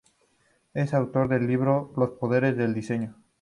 Es autor del libro "Los Poderes del Diseño".